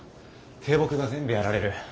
低木が全部やられる。